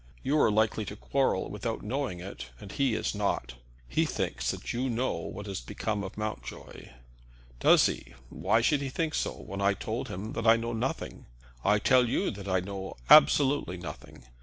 You are likely to quarrel without knowing it, and he is not. He thinks that you know what has become of Mountjoy." "Does he? Why should he think so, when I told him that I know nothing? I tell you that I know absolutely nothing.